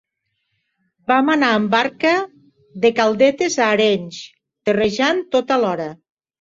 Vam anar amb barca de Caldetes a Arenys terrejant tota l'hora.